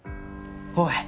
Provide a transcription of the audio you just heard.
おい！